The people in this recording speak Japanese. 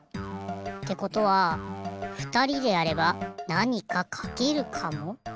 ってことはふたりでやればなにかかけるかも。